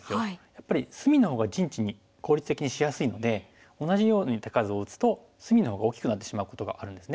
やっぱり隅の方が陣地に効率的にしやすいので同じように手数を打つと隅の方が大きくなってしまうことがあるんですね。